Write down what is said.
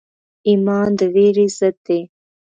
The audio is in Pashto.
ایمان د ویرې ضد دی.